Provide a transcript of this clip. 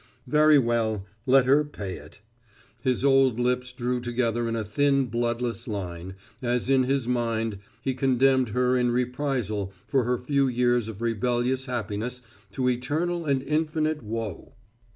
Very well, let her pay it. His old lips drew together in a thin bloodless line, as in his mind he condemned her in reprisal for her few years of rebellious happiness to eternal and infinite woe.